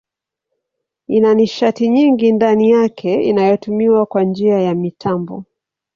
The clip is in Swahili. Ina nishati nyingi ndani yake inayotumiwa kwa njia ya mitambo.